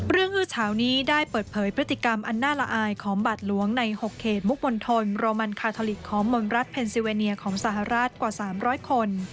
อื้อเฉานี้ได้เปิดเผยพฤติกรรมอันน่าละอายของบัตรหลวงใน๖เขตมุกมณฑลโรมันคาทอลิกของมนรัฐเพนซิเวเนียของสหรัฐกว่า๓๐๐คน